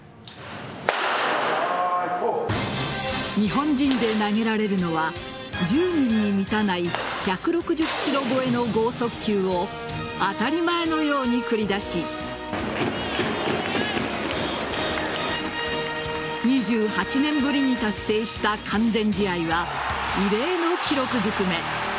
日本人で投げられるのは１０人に満たない１６０キロ超えの剛速球を当たり前のように繰り出し２８年ぶりに達成した完全試合は異例の記録ずくめ。